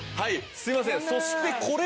すいません。